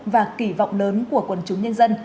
và kỳ vọng lớn của quần chúng nhân dân